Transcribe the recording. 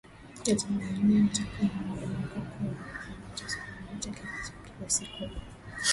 ya Tanzania atakuwa na madaraka juu ya udhibiti usimamiaji utekelezaji wa kila siku wa